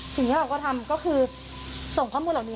สิ่งที่เราก็ทำก็คือส่งข้อมูลเหล่านี้